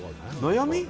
悩み？